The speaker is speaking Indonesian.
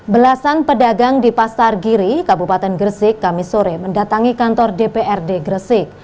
belasan pedagang di pasar giri kabupaten gresik kamisore mendatangi kantor dprd gresik